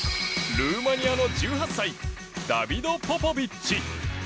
ルーマニアの１８歳ダビド・ポポビッチ。